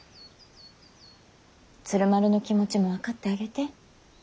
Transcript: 鶴丸の気持ちも分かってあげて。